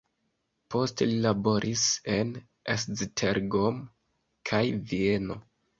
Poste li laboris en Esztergom kaj Vieno.